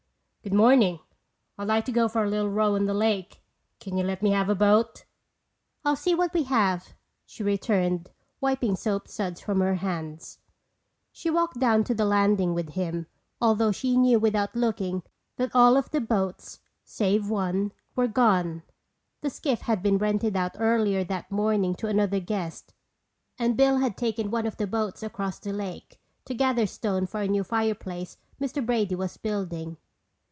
"Good morning. I'd like to go for a little row on the lake. Can you let me have a boat?" "I'll see what we have," she returned, wiping soap suds from her hands. She walked down to the landing with him although she knew without looking that all of the boats save one were gone. The skiff had been rented out earlier that morning to another guest and Bill had taken one of the boats across the lake to gather stone for a new fireplace Mr. Brady was building.